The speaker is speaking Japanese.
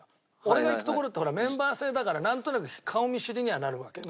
俺が行く所ってほらメンバー制だからなんとなく顔見知りにはなるわけ。